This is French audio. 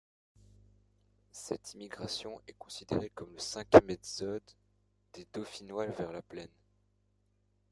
Cette émigration est considérée comme le cinquième exode des dauphinois vers la plaine.